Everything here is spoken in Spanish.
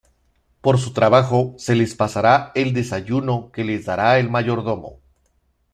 Por su trabajo se les pasará el desayuno que les dará el Mayordomo".